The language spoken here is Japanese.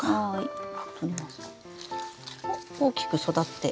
おっ大きく育って。